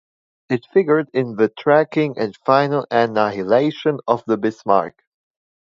It figured in the tracking and final annihilation of the Bismarck.